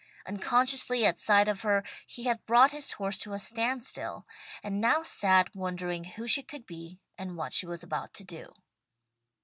Unconsciously at sight of her he had brought his horse to a standstill, and now sat wondering who she could be and what she was about to do.